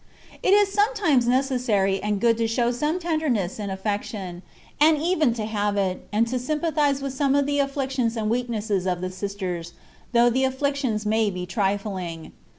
It is sometimes necessary and good to show some tenderness in afifection, and even to have it, and to sympathize with some of the afflic tions and weaknesses of the sisters, though the afflictions may be trifling.